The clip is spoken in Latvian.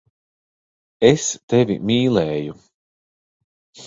Es tevi mīlēju.